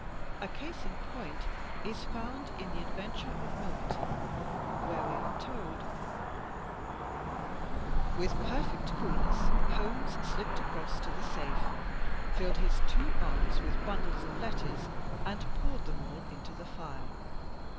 A case in point is foimd in "The Adventure of Milverton," where we are told: With perfect coolness Holmes slipped across to the safe, filled his two arms with bundles of letters, and poured them all into the fire.